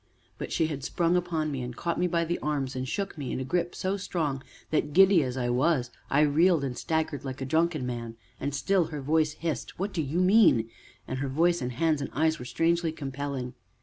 But she had sprung upon me, and caught me by the arms, and shook me in a grip so strong that, giddy as I was, I reeled and staggered like a drunken man. And still her voice hissed: "What do you mean?" And her voice and hands and eyes were strangely compelling.